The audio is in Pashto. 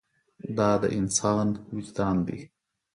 دا د انسان وجدان دی.